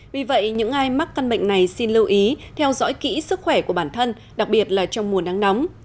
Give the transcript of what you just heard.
vì vậy những ai mắc căn bệnh này xin lưu ý theo dõi kỹ sức khỏe của bản thân đặc biệt là trong mùa nắng nóng